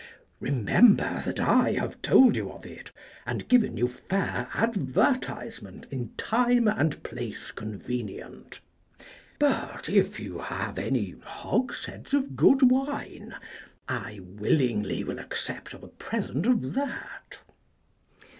Remember that I have told you of it, and given you fair advertisement in time and place convenient. But if you have any hogsheads of good wine, I willingly will accept of a present of that.